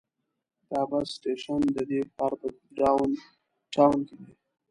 دا بس سټیشن د دې ښار په ډاون ټاون کې دی.